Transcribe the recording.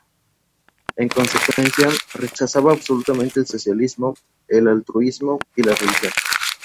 En consecuencia, rechazaba absolutamente el socialismo, el altruismo y la religión.